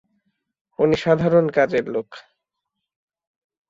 উনি সাধারণ কাজের লোক।